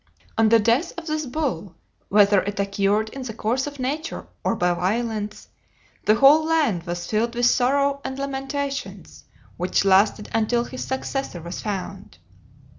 On the death of this bull, whether it occurred in the course of nature or by violence, the whole land was filled with sorrow and lamentations, which lasted until his successor was found.